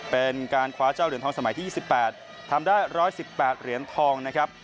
เป็นการคว้าเจ้าเหรียญทองสมัยที่๒๘ทำได้๑๑๘เหรียญทองนะครับ